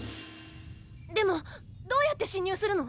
でもどうやって侵入するの？